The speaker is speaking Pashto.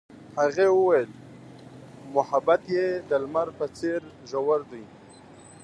هغې وویل محبت یې د لمر په څېر ژور دی.